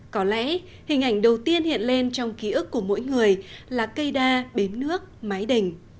có lẽ hình ảnh đầu tiên hiện lên trong ký ức của mỗi người là cây đa bến nước mái đình